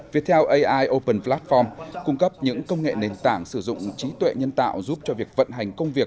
viettel ai open platform cung cấp những công nghệ nền tảng sử dụng trí tuệ nhân tạo giúp cho việc vận hành công việc